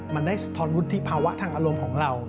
มันได้สะท้อนวุฒิภาวะทางอารมณ์ของเรา